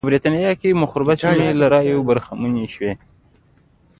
په برېټانیا کې مخروبه سیمې له رایو برخمنې شوې.